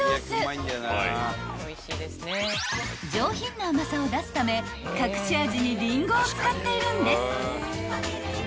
［上品な甘さを出すため隠し味にリンゴを使っているんです］